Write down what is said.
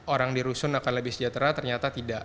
orang dirusun akan lebih sejahtera ternyata tidak